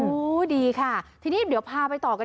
ดีค่ะทีนี้เดี๋ยวพาไปต่อกัน